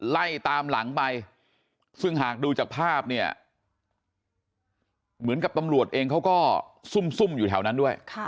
ไล่ตามหลังไปซึ่งหากดูจากภาพเนี่ยเหมือนกับตำรวจเองเขาก็ซุ่มอยู่แถวนั้นด้วย